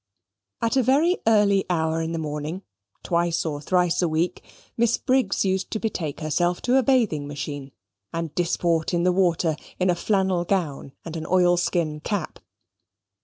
At a very early hour in the morning, twice or thrice a week, Miss Briggs used to betake herself to a bathing machine, and disport in the water in a flannel gown and an oilskin cap.